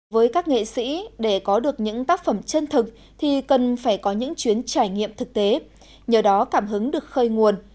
với các nghệ sĩ để có được những tác phẩm chân thực thì cần phải có những chuyến trải nghiệm thực tế nhờ đó cảm hứng được khơi nguồn